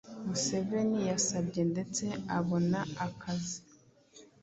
Museveni yasabye ndetse abona akazi